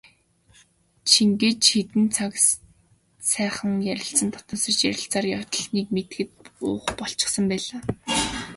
Чингэж хэдэн цаг сайхан ярилцан дотносож ярилцсаар явтал нэг мэдэхэд буух болчихсон байлаа.